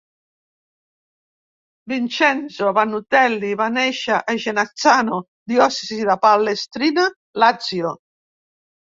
Vincenzo Vannutelli va néixer a Genazzano, diòcesi de Palestrina, Lazio.